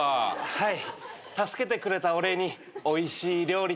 はい。